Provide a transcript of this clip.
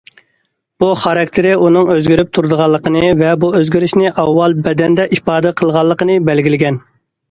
بۇ خاراكتېرى ئۇنىڭ ئۆزگىرىپ تۇرىدىغانلىقىنى ۋە بۇ ئۆزگىرىشنى ئاۋۋال بەدەندە ئىپادە قىلغانلىقىنى بەلگىلىگەن.